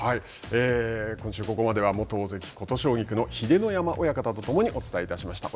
今週、ここまでは元大関・琴奨菊の秀ノ山親方と共にお伝えしました。